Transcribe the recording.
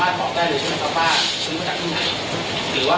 ในส่วนของครูจรูนเนี่ยครับ